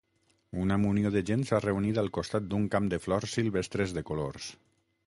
Una munió de gent s'ha reunit al costat d'un camp de flors silvestres de colors.